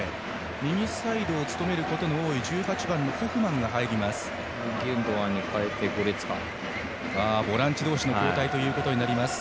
右サイドを務めることの多い１８番のホフマンです。